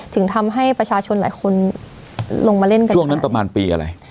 ถึงทำให้ประชาชนหลายคนลงมาเล่นกันช่วงนั้นประมาณปีอะไร